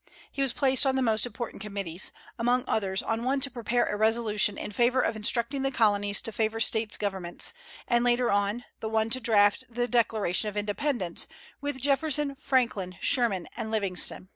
He was placed on the most important committees, among others on one to prepare a resolution in favor of instructing the Colonies to favor State governments, and, later on, the one to draft the Declaration of Independence, with Jefferson, Franklin, Sherman, and Livingston.